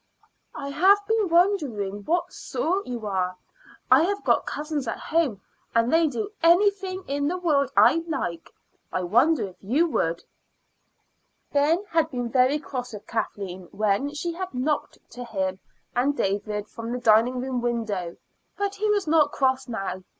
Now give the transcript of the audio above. "I have been wondering what sort you are. I have got cousins at home, and they do anything in the world I like. I wonder if you would." Ben had been very cross with Kathleen when she had knocked to him and David from the dining room window, but he was not cross now.